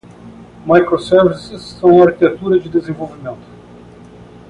Microservices são uma arquitetura de desenvolvimento.